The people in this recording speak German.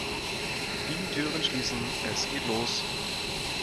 Die Türen schließen, es geht los!